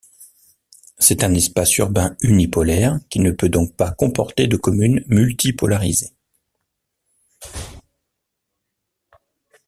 C'est un espace urbain unipolaire, qui ne peut donc pas comporter de communes multipolarisées.